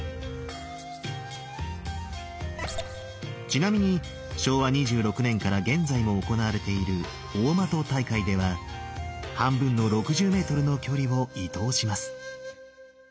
ちなみに昭和２６年から現在も行われている大的大会では半分の６０ｍの距離を射通します。